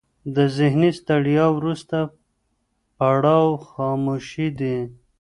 د ذهني ستړیا وروستی پړاو خاموشي دی.